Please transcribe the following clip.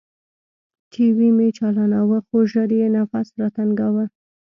ټي وي مې چالاناوه خو ژر يې نفس راتنګاوه.